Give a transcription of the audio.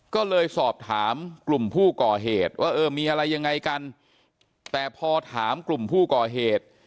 ก็เลยสอบถามกลุ่มผู้ก่อเหตุว่าเออมีอะไรยังไงกันแต่พอถามกลุ่มผู้ก่อเหตุ